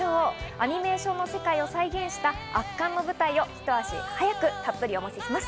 アニメーションの世界を再現した圧巻の舞台をひと足早くたっぷりお見せします。